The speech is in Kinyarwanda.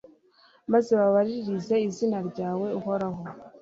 maze babaririze izina ryawe, uhoraho